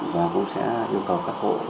và cũng sẽ yêu cầu các hộ